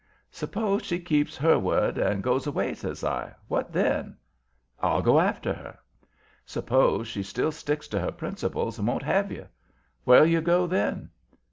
"Suppose she keeps her word and goes away," says I. "What then?" "I'll go after her." "Suppose she still sticks to her principles and won't have you? Where'll you go, then?"